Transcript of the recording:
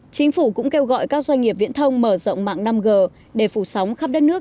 chính phủ cũng kêu gọi các doanh nghiệp viễn thông mở rộng mạng năm g để phủ sóng khắp đất nước